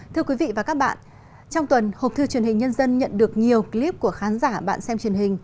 thưa quý vị và các bạn trong tuần hộp thư truyền hình nhân dân nhận được nhiều clip của khán giả bạn xem truyền hình